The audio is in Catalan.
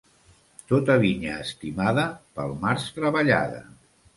Tota vinya estimada, pel març treballada.